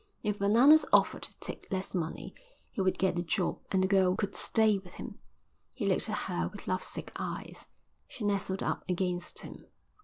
If Bananas offered to take less money he would get the job and the girl could stay with him. He looked at her with love sick eyes. She nestled up against him.